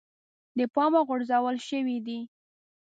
د پامه غورځول شوی دی.